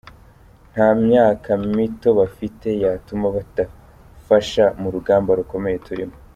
Nta myaka mito bafite yatuma badafasha mu rugamba rukomeye turimo.